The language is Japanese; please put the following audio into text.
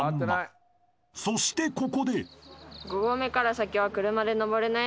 ［そしてここで］